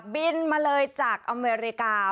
บินมาเลยจากอเมริกา